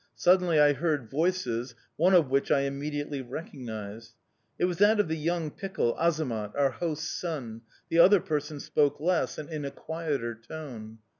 Suddenly I heard voices, one of which I immediately recognised. "It was that of the young pickle, Azamat, our host's son. The other person spoke less and in a quieter tone.